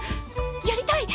やりたい！